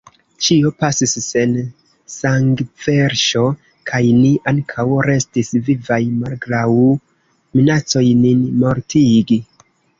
Ĉio pasis sen sangverŝo kaj ni ankaŭ restis vivaj malgraŭ minacoj nin mortigi.